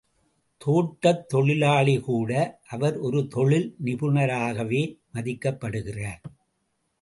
தோட்டத் தொழிலாளி கூட அவர் ஒரு தொழில் நிபுணராகவே மதிக்கப்படுகிறார்.